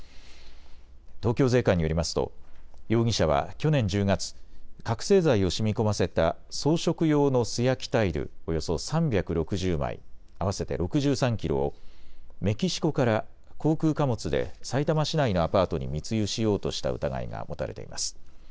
東京税関によりますと容疑者は去年１０月、覚醒剤をしみこませた装飾用の素焼きタイル、およそ３６０枚合わせて６３キロをメキシコから航空貨物でさいたま市内のアパートに密輸しようとした疑いが持たれています。